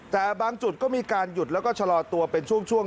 แต่บางจุดก็มีการหยุดแล้วก็ชะลอตัวเป็นช่วง